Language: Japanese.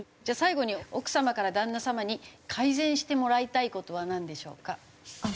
じゃあ最後に奥様から旦那様に改善してもらいたい事はなんでしょうか？